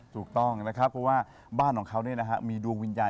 ถูกต้องนะครับเพราะว่าบ้านของเขามีดวงวิญญาณ